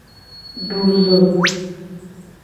Du zo.